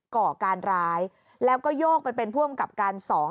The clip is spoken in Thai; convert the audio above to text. ก่อการร้ายแล้วก็โยกไปเป็นผู้อำกับการสอง